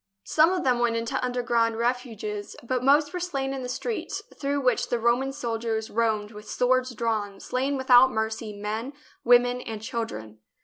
Some of them went into underground refuges, but most were slain in the streets, through which the Roman soldiers roamed with swords drawn, slaying without mercy men, women, and children.